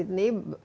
nah di sydney